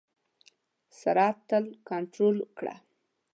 سرعت تل کنټرول کړه.